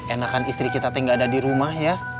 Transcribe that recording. enakan istri kita tinggal di rumah ya